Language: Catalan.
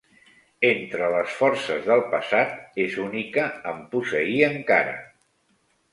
Entre les forces del passat, és única en posseir encara.